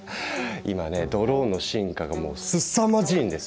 今ねドローンの進化がもうすさまじいんですよ。